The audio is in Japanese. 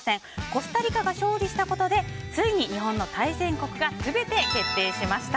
コスタリカが勝利したことでついに日本の対戦国が全て決定しました。